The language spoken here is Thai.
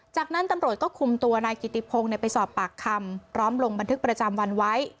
จากนั้นตำรวจก็คุมตัวนายกิติพงศ์ไปสอบปากคำพร้อมลงบันทึกประจำวันไว้